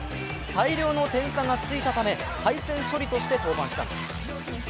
大量の点差がついたため敗戦処理として登板したんです。